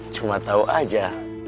cuma tau aja